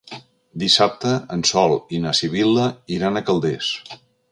Dissabte en Sol i na Sibil·la iran a Calders.